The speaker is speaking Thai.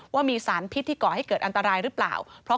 ว่ามีสารพิษที่ก่อให้เกิดอันตรายหรือเปล่า